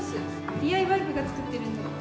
ＤＩＹ部が作ってるんだって。